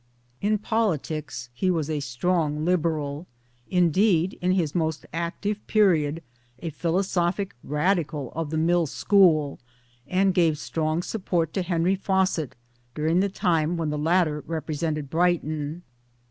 In politics he was a strong Liberal indeed in his most active period a philosophic Radical of the Mill school, and gave strong support to Henry, Fawcett during the time when the latter represented MY PARENTS 39 Brighton.